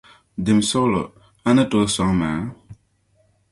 Dim, suɣulo a ni tooi sɔŋ ma?